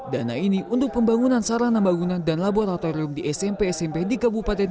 dana ini untuk pembangunan sarana bangunan dan laboratorium di smp smp di kabupaten